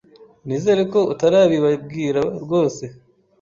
Nizere ko utarabibabwira rwose